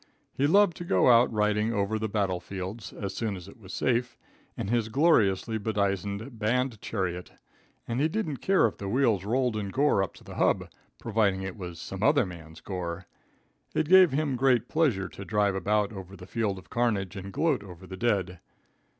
He loved to go out riding over the battle fields, as soon as it was safe, in his gorgeously bedizened band chariot and he didn't care if the wheels rolled in gore up to the hub, providing it was some other man's gore. It gave him great pleasure to drive about over the field of carnage and gloat over the dead.